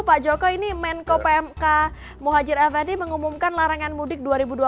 pak joko ini menko pmk muhajir effendi mengumumkan larangan mudik dua ribu dua puluh